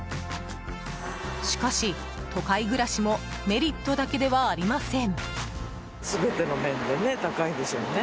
しかし、都会暮らしもメリットだけではありません。